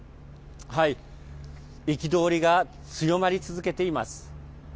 憤りが強まり続けています。